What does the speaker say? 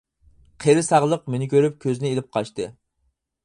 قېرى ساغلىق مېنى كۆرۈپ، كۆزىنى ئېلىپ قاچتى.